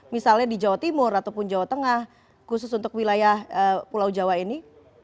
misalnya di jawa timur ataupun jawa tengah khusus untuk wilayah pulau jawa ini